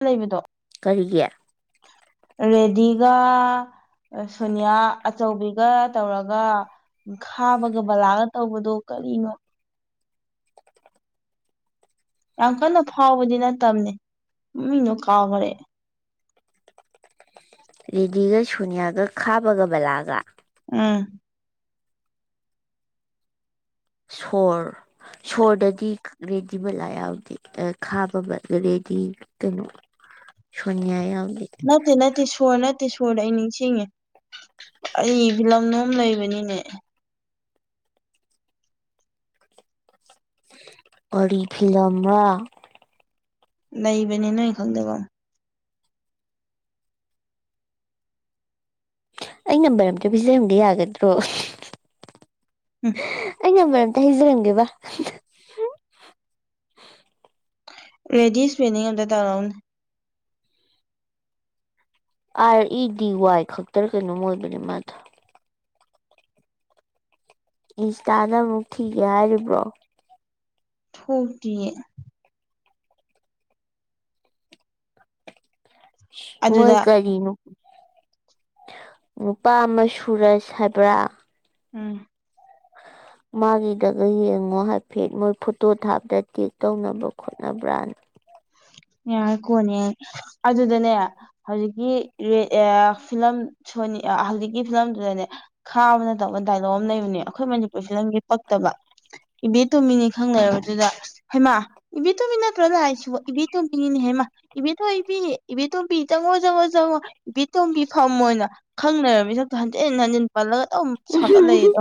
ꯂꯩꯕꯗꯣ ꯀꯔꯤꯒꯦ ꯔꯦꯗꯤꯒ ꯁꯣꯅꯤꯌꯥ ꯑꯆꯧꯕꯤꯒ ꯇꯧꯔꯒ ꯈꯥꯕꯒ ꯕꯂꯥꯒ ꯇꯧꯕꯗꯣ ꯀꯔꯤꯅꯣ ꯌꯥꯝ ꯀꯟꯅ ꯐꯥꯎꯕꯗꯤ ꯅꯠꯇꯕꯅꯦ ꯃꯃꯤꯡꯗꯣ ꯀꯥꯎꯈ꯭ꯔꯦꯦ ꯔꯦꯗꯤꯒ ꯁꯨꯅꯤꯌꯥꯒ ꯈꯥꯕꯒꯕꯂꯥꯒ ꯑ ꯁꯣꯔ ꯁꯣꯔꯗꯗꯤ ꯔꯦꯗꯤꯕꯂꯥ ꯌꯥꯎꯗꯤ ꯈꯥꯕ ꯔꯦꯗꯤ ꯀꯩꯅꯣ ꯁꯅꯤꯌꯥ ꯌꯥꯎꯗꯤ ꯅꯠꯇꯦ ꯅꯠꯇꯦ ꯁꯣꯔ ꯅꯠꯇꯦ ꯁꯣꯔ ꯑꯩ ꯅꯤꯡꯁꯤꯡꯉꯦ ꯑꯩ ꯕꯤꯤꯂꯝꯂꯣꯝ ꯂꯩꯕꯅꯤꯅꯦ ꯄꯔꯤ ꯐꯤꯂꯝ ꯂꯩꯕꯅꯤ ꯅꯣꯏ ꯈꯪꯗꯕ ꯑꯩ ꯅꯝꯕꯔ ꯑꯝꯇ ꯄꯤꯖꯔꯝꯗꯤ ꯌꯥꯒꯗ꯭ꯔꯣ ꯎꯝ ꯑꯩ ꯅꯝꯕꯔ ꯑ ꯍꯖꯔꯪꯒꯦꯕ ꯔꯦꯗꯤꯁ ꯄꯦꯅꯤꯡ ꯑꯟ ꯗ ꯇꯔꯥꯎꯟ ꯑꯥꯔ ꯏ ꯗꯤ ꯋꯥꯏ ꯈꯛꯇꯔ ꯀꯩꯅꯣꯝ ꯑꯣꯏꯕꯅꯦ ꯃꯥꯗ ꯏꯟꯁꯇꯥꯗ ꯑꯃꯨꯛ ꯊꯤꯒꯦ ꯍꯥꯏꯔꯤꯕ꯭ꯔꯣ ꯍꯒꯤꯦ ꯃꯣꯏ ꯑꯗꯨꯗ ꯀꯔꯤꯅ ꯅꯨꯄꯥ ꯑꯃ ꯁꯨꯔꯁ ꯍꯥꯏꯕ꯭ꯔꯥ ꯎꯝ ꯃꯥꯒꯤꯗꯒ ꯌꯦꯡꯉꯣ ꯍꯥꯏꯐꯦꯠ ꯃꯣꯏ ꯐꯣꯇꯣ ꯊꯥꯞꯇ ꯇꯤꯦꯛ ꯇꯧꯅꯕ ꯈꯣꯠꯅꯕ꯭ꯔꯥꯅ ꯌꯥꯔ ꯀꯣꯅꯦ ꯑꯗꯨꯗꯅꯦ ꯍꯧꯖꯤꯛꯀꯤ ꯐꯤꯂꯝ ꯁꯣꯅꯤ ꯍꯧꯖꯤꯛꯀꯤ ꯐꯤꯂꯝꯗꯨꯗꯅꯦ ꯈꯥꯕꯅ ꯇꯧꯕ ꯗꯥꯏꯂꯣꯛ ꯑꯃ ꯂꯩꯕꯅꯦ ꯑꯩꯈꯣꯏ ꯃꯅꯤꯄꯨꯔ ꯐꯤꯂꯝꯒꯤ ꯄꯛꯇꯕ ꯏꯕꯦꯇꯣꯝꯃꯤꯅꯤ ꯈꯪꯅꯔꯕꯗꯨꯗ ꯍꯩꯃꯥ ꯏꯕꯦꯇꯣꯝꯕꯤ ꯅꯠꯇ꯭ꯔꯣꯅ ꯍꯥꯏꯁꯤ ꯏꯕꯤ ꯇꯣꯝꯕꯤꯅꯦꯍꯦꯃ ꯏꯕ ꯊꯣ ꯏꯕꯤꯅꯦ ꯏꯕ ꯊꯣꯝꯕꯤ ꯆꯪꯉꯣꯖꯪꯉꯣ ꯆꯪꯉꯣ ꯕꯤꯇꯣꯝꯕꯤ ꯐꯝꯃ ꯑꯣꯏꯅ ꯈꯪꯅꯔꯕ ꯃꯤꯁꯛꯇꯣ ꯍꯟꯖꯤꯟ ꯍꯟꯖꯤꯟ ꯄꯜꯂꯒ ꯑꯗꯨꯝ ꯁꯥꯒꯠꯂꯛꯑ ꯑꯗꯣ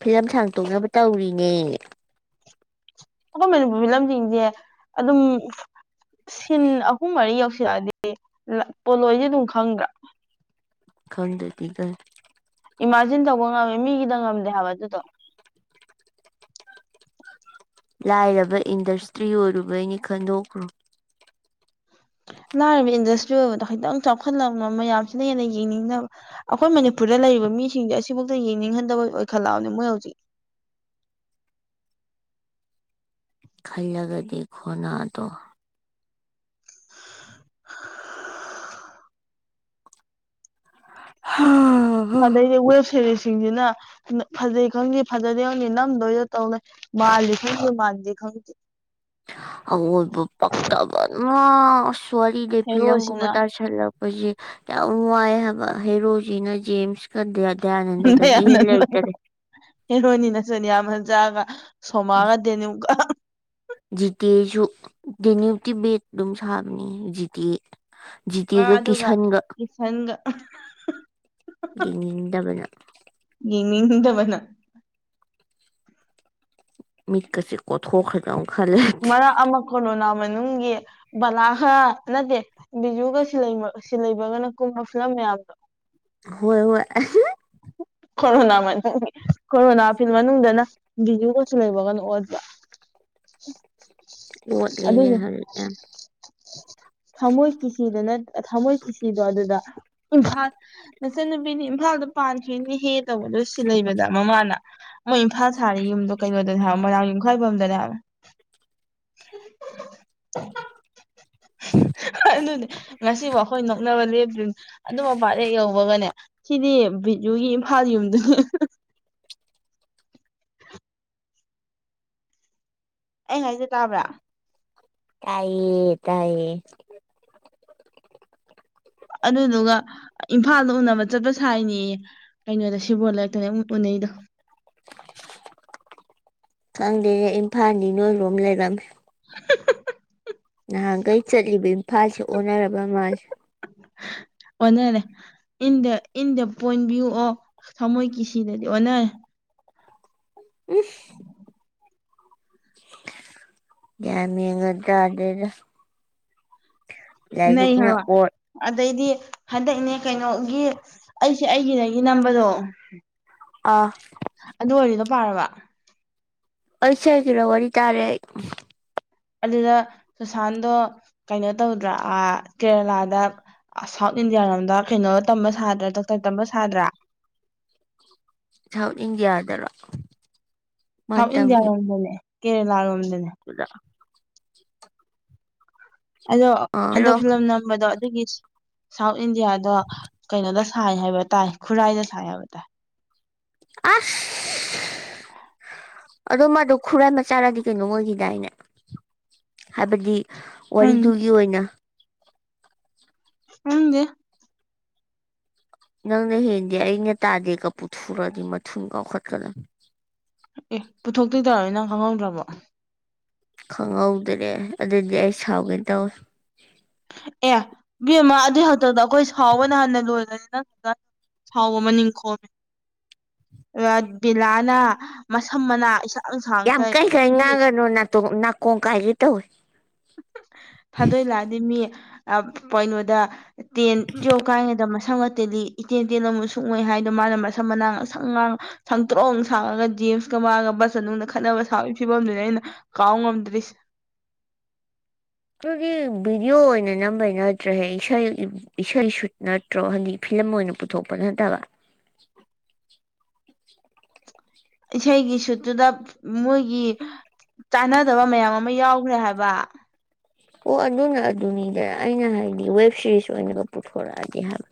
ꯐꯤꯂꯝ ꯁꯥꯡꯇꯣꯛꯅꯕ ꯇꯧꯔꯤꯅꯦ ꯑꯩꯈꯣꯏ ꯃꯅꯤꯄꯨꯔ ꯐꯤꯂꯝꯁꯤꯡꯁꯦ ꯑꯗꯨꯝ ꯁꯤꯟ ꯑꯍꯨꯝ ꯃꯔꯤ ꯌꯧꯁꯤꯜꯂꯛꯑꯗꯤ ꯄꯣꯠꯂꯣꯏꯁꯦ ꯑꯗꯨꯝ ꯈꯪꯗ꯭ꯔꯥ ꯈꯪꯗꯦꯗꯤ ꯀ ꯏꯃꯥꯖꯤꯟ ꯇꯧꯕ ꯉꯝꯃꯦ ꯃꯤꯒꯤꯗ ꯉꯝꯗꯦ ꯍꯥꯏꯕ ꯑꯗꯨꯗꯣ ꯂꯥꯏꯔꯕ ꯏꯟꯗꯁꯇ꯭ꯔꯤ ꯑꯣꯏꯔꯨꯕꯩꯅꯤ ꯈꯟꯗꯣꯛꯈ꯭ꯔꯣ ꯂꯅꯥꯔꯤꯕ ꯏꯟꯗꯁꯇ꯭ꯔꯤ ꯑꯣꯏꯕꯗꯣ ꯈꯤꯇꯪ ꯆꯥꯎꯈꯠꯂꯛꯅꯕ ꯃꯌꯥꯝꯁꯤꯅ ꯍꯦꯟꯅ ꯌꯦꯡꯅꯤꯡꯗꯕ ꯑꯩꯈꯣꯏ ꯃꯅꯤꯄꯨꯔꯗ ꯂꯩꯔꯤꯕ ꯃꯤꯁꯤꯡꯁꯦ ꯑꯁꯤꯐꯥꯎꯛꯇ ꯌꯦꯡꯅꯤꯡꯍꯟꯗꯕ ꯑꯣꯏꯈꯠꯂꯛꯑꯕꯅꯦ ꯃꯣꯏ ꯍꯧꯖꯤꯛ ꯈꯜꯂꯒꯗꯤ ꯈꯣꯟꯅꯥꯗꯣ ꯍ ꯑꯗꯩꯗꯤ ꯋꯦꯕ ꯁꯦꯔꯤꯁꯁꯤꯡꯁꯤꯅ ꯐꯖꯩ ꯈꯪꯗꯦ ꯐꯖꯗꯦ ꯈꯪꯗꯦ ꯅꯝꯗꯣꯏꯗ ꯇꯧꯅ ꯃꯥꯜꯂꯤ ꯈꯪꯗꯦ ꯃꯥꯜꯂꯤ ꯈꯪꯗꯦ ꯕꯨ ꯄꯛꯇꯕ ꯁꯔꯤ ꯗꯦ ꯐꯤꯒꯨꯃ ꯍꯦꯔꯣꯁꯤꯅ ꯇꯂ ꯍꯧ ꯌꯥꯝꯅꯨꯡ ꯋꯥꯏ ꯍꯥꯏꯕ ꯍꯦꯔꯣꯖꯤꯅ ꯖꯦꯝꯁ ꯁꯗꯗꯅꯗ ꯑꯗꯨꯗꯒꯤ ꯏꯂꯦ ꯂꯩꯣꯏꯇꯥꯦ ꯍꯔꯣꯏꯅꯤ ꯅ ꯁꯣꯏꯅꯤ ꯌꯥꯝ ꯍꯟꯖꯑꯒ ꯁꯣꯃꯑꯒ ꯗꯦꯅꯦꯨꯛꯀ ꯖꯤ ꯇꯤ ꯑꯦꯁꯨ ꯗꯦꯅꯌꯨꯇꯤ ꯕꯦꯗ ꯑꯗꯨꯝ ꯁꯥꯕꯅꯤ ꯖꯤꯇꯤ ꯑꯦ ꯑꯗꯨꯒ ꯀꯤꯁꯟꯒ ꯌꯦꯡꯅꯤꯡꯗꯕꯅ ꯌꯦꯅꯤꯗꯕꯅ ꯃꯤꯠꯀꯁꯤꯦ ꯀꯣꯊꯣ ꯈ꯭ꯔꯗ ꯈꯜꯂꯦ ꯃꯔꯛ ꯑꯃ ꯀꯣꯔꯣꯅꯥ ꯃꯅꯨꯡꯒꯤ ꯕꯂꯥꯍ ꯅꯠꯇꯦ ꯕꯤꯖꯨꯒ ꯁꯤꯂꯩꯕꯒꯅ ꯀꯨꯝꯕ ꯐꯤꯂꯝ ꯃꯌꯥꯝꯗꯣ ꯍꯣꯏ ꯍꯣꯏ ꯀꯣꯔꯣꯅꯥ ꯃ ꯀꯣꯔꯣꯅꯥ ꯐ ꯃꯅꯨꯡꯗꯅ ꯚꯕꯤꯖꯨꯒꯁꯨ ꯂꯩꯕꯒꯅ ꯑꯣꯠ ꯑꯗꯨ ꯂꯣꯠꯂꯦ ꯍꯧꯖꯤꯛꯅ ꯊꯃꯣꯏ ꯀ ꯗꯅ ꯊꯃꯣꯏꯒꯤ ꯁꯤꯗꯣ ꯑꯗꯨꯗ ꯏꯝꯐꯥꯜ ꯅꯆꯟꯅꯨꯄꯤꯅꯤ ꯏꯝꯐꯥꯜꯗ ꯄꯥꯟꯊꯣꯏꯅꯤ ꯍꯦ ꯇꯧꯕꯗꯣ ꯁꯤ ꯂꯩꯕꯗ ꯃꯃꯥꯅ ꯃꯣꯏ ꯏꯝꯐꯥꯜ ꯊꯥꯔꯤ ꯌꯨꯝꯗꯣ ꯀꯩꯅꯣꯗꯅꯦ ꯍꯥꯏ ꯃꯣꯏꯔꯥꯡ ꯌꯨꯝꯈꯥꯏꯕꯝꯗꯅꯦꯕ [unintelligible] ꯑꯗꯨꯅꯦ ꯉꯁꯤꯕꯨ ꯑꯩꯈꯣꯏ ꯅꯣꯛꯅꯕ ꯂꯦꯞꯇ꯭ꯔꯤꯅꯦ ꯑꯗꯨꯝ ꯃꯄꯥ ꯍꯦꯛ ꯌꯧꯕꯒꯅꯦ ꯁꯤꯗꯤ ꯕꯤꯖꯨꯒꯤ ꯏꯝꯐꯥꯜ ꯌꯨꯝꯗꯨꯅꯤ ꯑꯩ ꯉ ꯍꯥꯏꯖꯦ ꯇꯥꯕ꯭ꯔꯥ ꯇꯌꯦ ꯇꯥꯏꯌꯦ ꯑꯗꯨꯗꯨꯒ ꯏꯝꯐꯥꯜꯗ ꯎꯅꯕ ꯆꯠꯄ ꯁꯥꯏꯅꯦ ꯀꯩꯅꯣꯗ ꯁꯤꯕꯣ ꯂꯩꯔꯛꯇꯅꯦ ꯑꯃꯨꯛ ꯎꯅꯩꯗꯣ ꯈꯪꯗꯦꯅꯦ ꯏꯝꯐꯥꯜꯅꯤ ꯅꯣꯏꯔꯣꯝ ꯂꯩꯔꯝꯃꯦ [inaudible] ꯅꯍꯥꯟꯈꯩ ꯆꯠꯂꯤꯕ ꯏꯝꯐꯥꯜꯁꯦ ꯑꯣꯟꯅꯔꯕ ꯃꯥꯜꯁꯦ ꯑꯣꯟꯅꯔꯦ ꯏꯟ ꯗ ꯏꯟ ꯗ ꯄꯣꯏꯟ ꯚꯤꯌꯨ ꯑꯣ ꯊꯃꯣꯏ ꯀꯤꯁꯤꯗꯗꯤ ꯑꯣꯟꯅ ꯎ ꯌꯥꯃꯤꯗꯗꯦꯗ ꯅ ꯍꯥꯏꯕ ꯑꯣꯠ ꯑꯗꯩꯗꯤ ꯍꯟꯗꯛꯅꯦ ꯀꯩꯅꯣꯒꯤ ꯑꯩꯁꯦ ꯑꯩꯒꯤ ꯅꯒꯤ ꯅꯝꯕꯗꯣ ꯑꯥ ꯑꯗꯨ ꯑꯣꯏꯔꯤꯗꯣ ꯄꯥꯔꯕ ꯑꯩꯁꯒꯤꯔꯣ ꯋꯥꯔꯤ ꯇꯥꯔꯦ ꯑꯗꯨꯗ ꯁꯨꯁꯥꯟꯗꯣ ꯀꯩꯅꯣ ꯇꯧꯗ꯭ꯔ ꯀꯦꯔꯂꯥꯗ ꯁꯥꯎꯠ ꯏꯟꯗꯤꯌꯥꯔꯣꯝꯗ ꯀꯩꯅꯣ ꯇꯝꯕ ꯁꯥꯗ꯭ꯔꯥ ꯗꯥꯛꯇꯔ ꯇꯝꯕ ꯁꯥꯗ꯭ꯔꯥ ꯁꯥꯎꯠ ꯏꯟꯗꯤꯌꯥꯗꯔ ꯁꯥꯎꯠ ꯏꯟꯗꯤꯌꯥ ꯂꯣꯝꯗꯅꯦ ꯀꯦꯔꯦꯂꯥ ꯂꯣꯝꯗꯅꯦ ꯏ ꯑꯗꯣ ꯍꯟꯗꯛꯂꯝ ꯅꯝꯕꯗꯣ ꯑꯗꯨꯒꯤ ꯁꯥꯎꯠ ꯏꯟꯗꯤꯌꯥꯗꯣ ꯀꯩꯅꯣꯗ ꯁꯥꯏ ꯍꯥꯏꯕ ꯇꯥꯏ ꯈꯨꯔꯥꯏꯗ ꯁꯥꯏ ꯍꯥꯏꯕ ꯇꯥꯏ ꯑ ꯑꯗꯣ ꯃꯥꯗꯣ ꯈꯨꯔꯥꯏ ꯃꯆꯥꯔꯗꯤ ꯀꯩꯅꯣ ꯑꯣꯏꯈꯤꯗꯥꯏꯅꯦ ꯍꯥꯏꯕꯗꯤ ꯎꯝ ꯋꯥꯔꯤꯗꯨꯒꯤ ꯑꯣꯏꯅ ꯅꯪꯗꯤ ꯅꯪꯅ ꯍꯦꯟꯗꯦ ꯑꯩꯅ ꯇꯥꯗꯦꯒꯄ ꯄꯨꯊꯨꯔꯛꯗꯤ ꯃꯊꯨꯝ ꯀꯥꯎꯈꯠꯀꯗꯥ ꯑꯦ ꯄꯨꯊꯣꯛꯇꯣꯏ ꯇꯧꯕꯅꯤꯅꯪ ꯈꯪꯍꯧꯗ꯭ꯔꯕꯣ ꯈꯪꯍꯧꯗꯅꯦꯦ ꯑꯗꯨꯗꯤ ꯑꯩ ꯁꯥꯎꯒꯅ ꯇꯧꯋꯤ ꯑꯦ ꯕꯤꯦꯝꯃꯥ ꯑꯗꯨꯏ ꯍꯥꯛꯛꯇ ꯑꯩꯈꯣꯏ ꯁꯥꯎꯕꯅ ꯍꯥꯟꯟꯅ ꯂꯣꯏꯂꯅꯤ ꯅꯪ ꯍꯥꯎꯕ ꯑꯃ ꯅꯤꯡꯈꯣꯝꯃꯦ ꯕꯤꯂꯥꯅ ꯃꯁꯝ ꯃꯅꯥ ꯏꯁꯥꯡ ꯌꯥꯝ ꯁꯥꯡꯈꯩ ꯀꯩ ꯀꯩ ꯃꯤ ꯉꯥꯡꯒꯅꯣ ꯅꯥꯀꯣꯡ ꯀꯥꯏꯒꯤ ꯇꯧꯏ ꯊꯥꯗꯣꯏ ꯂꯥꯛꯑꯗꯤ ꯃꯤ ꯀꯩꯅꯣꯗ ꯇꯦꯟ ꯇꯨꯌꯦꯜꯞ ꯀꯥꯏꯉꯗ ꯃꯁꯪ ꯉꯇꯦꯜꯂꯤ ꯏꯇꯦꯟ ꯇꯦꯜ ꯑꯃꯨ ꯁꯨꯡꯉꯩ ꯍꯥꯏꯗꯣ ꯃꯥꯅ ꯃꯁꯝ ꯃꯅꯥꯎ ꯑꯁꯪ ꯉꯥꯡ ꯁꯪꯇ꯭ꯔꯣꯛꯑ ꯁꯥꯉꯒ ꯖꯦꯝꯁꯀ ꯃꯥꯒ ꯕꯁ ꯃꯅꯨꯡꯗ ꯈꯠꯅꯕ ꯁꯥꯥꯎꯕꯒꯤ ꯐꯤꯕꯗꯨꯅꯦ ꯑꯩꯅ ꯀꯥꯎ ꯉ꯭ꯔꯤꯁ ꯨꯗꯤ ꯚꯤꯗꯤꯑꯣ ꯑꯣꯏꯅ ꯅꯝꯕꯩ ꯅꯠꯇ꯭ꯔꯍꯦ ꯏꯁꯩ ꯏꯁꯩ ꯁꯨꯠ ꯅꯠꯇ꯭ꯔꯣ ꯍꯟꯗꯤꯛ ꯐꯤꯂꯝ ꯑꯣꯏꯅ ꯄꯨꯊꯣꯛꯄ ꯅꯠꯇꯕ ꯏꯁꯩꯒꯤ ꯁꯨꯠꯇꯨꯗ ꯃꯣꯏꯒꯤ ꯆꯥꯟꯅꯗꯕ ꯃꯌꯥꯝ ꯑꯃ ꯌꯥꯎꯈ꯭ꯔꯦ ꯍꯥꯏꯕ ꯑꯣ ꯑꯗꯨꯅ ꯑꯗꯨꯅꯤꯗ ꯑꯩꯅ ꯍꯥꯏꯗꯤ ꯋꯦꯕ ꯁꯤꯦꯔꯤꯁ ꯑꯣꯏꯅꯒ ꯄꯨꯊꯣꯔꯛꯑꯒꯦ ꯍꯥꯏꯕ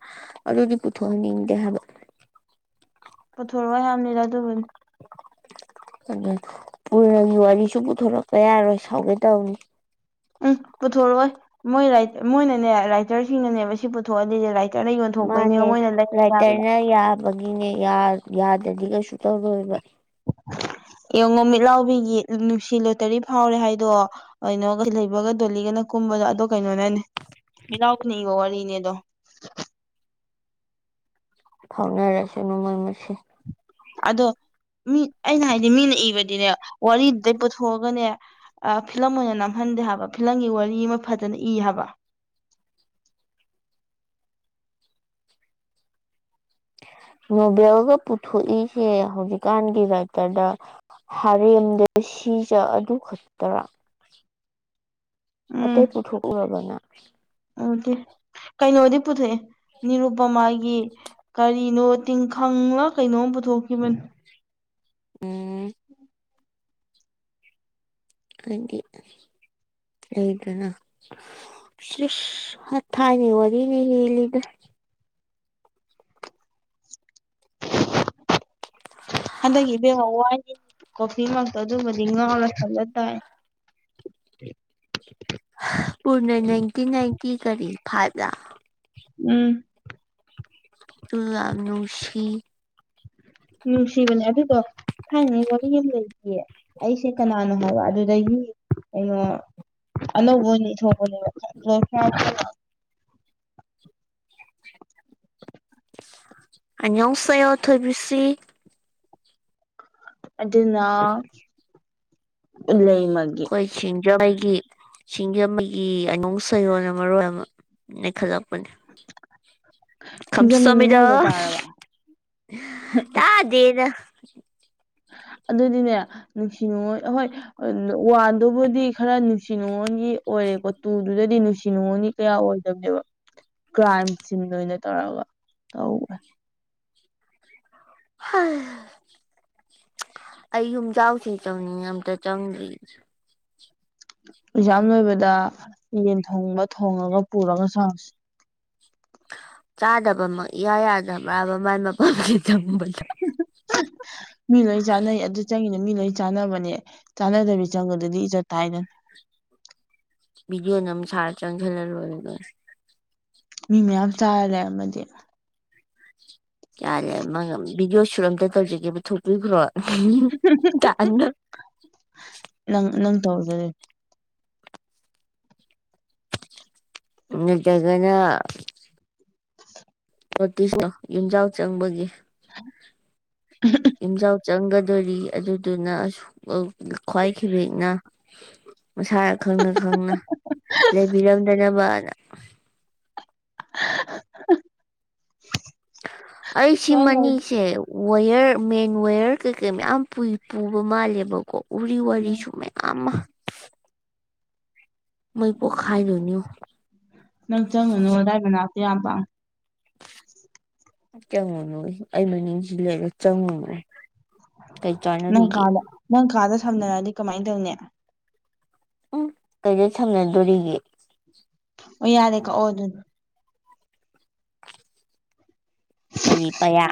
ꯑꯗꯨꯗꯤ ꯄꯨꯊꯣꯛꯍꯟꯅꯤꯡꯗꯦ ꯍꯥꯏꯕ ꯄꯨꯊꯣꯔꯛꯑꯣ ꯍꯥꯏ ꯌꯥꯝꯅꯤꯔ ꯑꯗꯨꯕꯨꯅꯤ ꯑꯗꯨ ꯄꯨꯔꯒꯤ ꯋꯥꯔꯤꯁꯨ ꯄꯨꯊꯣꯔꯛꯄ ꯌꯥꯔꯣꯏ ꯁꯥꯎꯒꯦ ꯇꯧꯅꯤ ꯎꯝ ꯄꯨꯊꯣꯔꯛꯑꯣꯏ ꯃꯣꯏ ꯃꯣꯏꯅꯅꯦ ꯔꯥꯏꯇꯔꯁꯤꯡꯅꯅꯦꯕ ꯁꯤ ꯄꯨꯊꯣꯛꯑꯗꯤꯗꯤ ꯃꯥꯅꯦ ꯔꯥꯏꯇꯔꯅ ꯌꯥꯕꯒꯤꯅꯦ ꯌꯥꯗ꯭ꯔꯗꯤ ꯀꯩꯁꯨ ꯇꯧꯔꯣꯏꯕ ꯌꯦꯡꯉꯨꯃꯤꯠꯂꯥꯎꯕꯤꯒꯤ ꯅꯨꯡꯁꯤ ꯂꯣꯇꯔꯤ ꯐꯥꯎꯔꯦ ꯍꯥꯏꯗꯣ ꯀꯩꯅꯣꯒ ꯂꯩꯕꯒ ꯗꯣꯜꯂꯤꯒꯅ ꯀꯨꯝꯕꯗꯣ ꯑꯗꯣ ꯀꯩꯅꯣꯅꯅꯦ ꯏꯔꯥꯎꯕꯅꯤ ꯏꯕꯣ ꯋꯥꯔꯤꯅꯦ ꯑꯗꯣ ꯐꯥꯎꯅꯔꯁꯤ ꯅꯣꯡꯃꯩꯃꯁꯤ ꯑꯗꯣ ꯃꯤ ꯑꯩꯅ ꯍꯥꯏꯗꯤ ꯃꯤꯅ ꯏꯕꯗꯤꯅꯦ ꯋꯥꯔꯤꯗꯨꯗꯩ ꯄꯨꯊꯣꯛꯑꯒꯅꯦ ꯐꯤꯂꯝ ꯑꯣꯏꯅ ꯅꯝꯍꯟꯗꯦ ꯍꯥꯏꯕ ꯐꯤꯂꯝꯒꯤ ꯋꯥꯔꯤ ꯑꯃ ꯐꯖꯅ ꯏ ꯍꯥꯏꯕ ꯅꯣꯚꯦꯜꯒ ꯄꯨꯊꯣꯛꯏꯁꯦ ꯍꯧꯖꯤꯛꯀꯥꯟꯒꯤ ꯔꯥꯏꯇꯔꯗ ꯍꯥꯔꯦꯝꯗ ꯁꯤꯖ ꯑꯗꯨ ꯈꯛꯇꯔ ꯑꯇꯩ ꯄꯨꯊꯣꯛꯎꯔꯕꯅ ꯎ ꯀꯩꯅꯣꯗꯤ ꯄꯨꯊꯣꯛꯑꯦ ꯅꯤꯔꯨꯄ ꯃꯥꯒꯤ ꯀꯔꯤꯅꯣ ꯇꯤꯡꯈꯪꯂ ꯀꯩꯅꯣꯝ ꯄꯨꯊꯣꯛꯈꯤꯕꯅꯤ ꯎꯝ ꯑꯗꯨꯗꯤ ꯍꯗꯅ ꯍ ꯊꯥꯏꯅꯤ ꯋꯥꯔꯤꯅꯦ ꯂꯤꯗ [unintelligible] ꯍꯟꯗꯛ ꯏꯕꯦꯡ ꯍꯋꯥꯏ ꯀꯣꯐꯤꯃꯛꯇꯣ ꯑꯗꯨꯃꯗꯤ ꯉꯥꯎꯔ ꯊꯝꯂ ꯇꯥꯏ ꯄꯨꯅ ꯅꯥꯏꯟꯇꯤꯟ ꯅꯥꯏꯟꯇꯤ ꯀꯔꯤ ꯐꯥꯖ ꯎꯝ ꯇꯨ ꯌꯥꯝ ꯅꯨꯡꯁꯤ ꯅꯨꯡꯁꯤꯕꯅꯦ ꯑꯗꯨꯗꯣ ꯊꯥꯡꯉ ꯋꯥꯔꯤ ꯌꯦ ꯂꯩꯌꯦ ꯑꯩꯁꯦ ꯀꯅꯥꯅꯣ ꯍꯥꯏꯕ ꯑꯗꯨꯗꯒꯤ ꯀꯩꯅꯣ ꯑꯅꯧꯕ ꯑꯣꯏꯅ ꯊꯣꯛ [unintelligible] ꯑꯅꯁ ꯊꯕꯤꯁꯤ ꯑꯗꯨꯅ ꯂꯩ ꯂꯩꯃꯒꯤꯦ ꯑꯩꯈꯣꯏ ꯁꯤꯡꯖꯃꯩꯒꯤ ꯁꯤꯡꯖꯃꯩꯒꯤ ꯑꯅꯨꯡ ꯁꯌꯣꯟ ꯑꯃ ꯃꯔꯣꯏ ꯑꯃ ꯅ ꯈꯖꯄꯅꯦ ꯁꯤꯡꯖꯃꯩ ꯈꯝꯁꯃꯤꯗ ꯅꯤꯉꯣꯜꯗ ꯇꯥꯔꯕ ꯇꯥꯗꯅ ꯑꯗꯨꯗꯤꯅꯦ ꯅꯨꯡꯁꯤ ꯅꯨꯡꯉꯣꯏ ꯑꯍꯣꯏ ꯋꯥꯟꯗꯨꯕꯨꯗꯤ ꯈꯔ ꯅꯨꯡꯁꯤ ꯅꯨꯡꯉꯣꯟꯒꯤ ꯑꯣꯏꯔꯦꯀꯣ ꯇꯨꯗꯨꯗꯗꯤ ꯅꯨꯡꯁꯤ ꯅꯨꯡꯉꯣꯟꯒꯤ ꯀꯌꯥ ꯑꯣꯏꯗꯕꯅꯦꯕ ꯀ꯭ꯔꯥꯏꯝ ꯁꯤꯟ ꯑꯣꯏꯅ ꯇꯧꯔꯒ ꯇꯧꯋꯦ ꯑꯩ ꯌꯨꯝꯖꯥꯎꯁꯦ ꯆꯪꯅꯤꯡꯉ ꯑꯝꯇ ꯆꯪꯗ꯭ꯔꯤ ꯑꯦꯛꯖꯥ ꯂꯣꯏꯕꯗ ꯌꯦꯟ ꯊꯣꯡꯕ ꯊꯣꯡꯉꯒ ꯄꯨꯔꯒ ꯆꯥꯁꯤ ꯆꯥꯗꯕꯃꯛ ꯏꯌꯥ ꯌꯥꯗꯕ꯭ꯔꯥꯕ ꯃꯥꯏ ꯃꯐꯝꯁꯦ ꯊꯪꯕꯗ [inaudible] ꯃꯤ ꯂꯣꯏ ꯆꯥꯟꯅꯩ ꯑꯗꯨ ꯆꯪꯉꯤꯅ ꯃꯤ ꯂꯣꯏ ꯆꯥꯟꯅꯕꯅꯦ ꯆꯥꯟꯅꯗꯕꯤ ꯆꯪꯕꯗꯗꯤ ꯏꯖꯠ ꯊꯥꯏꯗꯅ ꯕꯤꯖ ꯆꯥꯔ ꯆꯪꯈꯦꯂ ꯂꯣꯏ ꯃꯤ ꯃꯌꯥꯝ ꯆꯥꯔꯂꯦ ꯑꯃꯗꯤ ꯌꯥꯔꯦ ꯚꯗꯤꯑꯣ ꯁꯨꯠ ꯑꯝꯇ ꯇꯧꯖꯒꯦꯕ ꯊꯣꯛꯄꯤꯈ꯭ꯔꯣ ꯇ ꯅꯪ ꯅꯪ ꯇꯧꯗꯦ ꯇꯒꯅ ꯅꯣꯇꯤꯁꯅꯣ ꯌꯨꯝꯖꯥꯎ ꯆꯪꯕꯒꯤ ꯌꯨꯝꯖꯥꯎ ꯆꯪꯒꯗꯣꯔꯤ ꯑꯗꯨꯗꯨꯅ ꯈ꯭ꯋꯥꯏꯈꯤꯕꯈꯤꯕꯅ ꯃꯁꯥꯅ ꯈꯪꯅ ꯈꯪꯅ ꯂꯩꯕꯤꯔꯝꯗꯅꯕꯅ ꯑꯩ ꯁꯤꯃꯅꯤꯁꯦ ꯋꯥꯋꯌꯔ ꯃꯦꯟ ꯋꯦꯌꯔ ꯀꯩꯀꯩ ꯃꯌꯥꯝ ꯄꯨꯕ ꯃꯥꯜꯂꯦꯕꯀꯣ ꯎꯔꯤ ꯋꯥꯔꯤ ꯁ ꯃꯌꯥꯝ ꯑꯃ ꯃꯣꯏ ꯄꯣ ꯈꯥꯏ ꯂꯨꯅꯣ ꯅꯪ ꯆꯪꯉꯨꯅꯨ ꯑꯗꯥꯏ ꯃꯅꯥꯛꯇ ꯌꯥꯝꯕ ꯆꯪꯉꯣꯅꯨ ꯑꯩ ꯃꯅꯤꯡꯁꯤ ꯂꯩꯒ ꯆꯪꯉꯨꯅ ꯅꯪ ꯀꯥꯗ ꯅꯪ ꯀꯥꯗ ꯁꯝꯅꯔꯛꯑꯗꯤ ꯀꯃꯥꯏꯅ ꯇꯧꯅꯤ ꯎꯝ ꯀꯩꯗ ꯁꯝꯅꯗꯣꯔꯤꯒꯦ ꯑꯣ ꯌꯥꯔꯦ ꯀꯣꯗ ꯀꯔꯤ ꯄꯌꯥ